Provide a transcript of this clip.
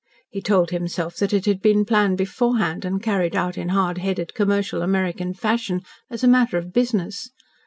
He told himself that it had been planned beforehand and carried out in hard headed commercial American fashion as a matter of business.